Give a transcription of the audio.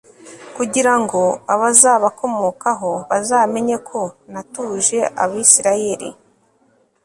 kugira ngo abazabakomokaho bazamenye ko natuje abisirayeli